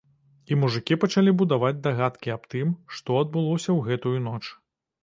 І мужыкі пачалі будаваць дагадкі аб тым, што адбылося ў гэтую ноч.